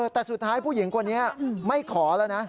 แต่สุดท้ายผู้หญิงคนนี้ไม่ขอแล้วนะ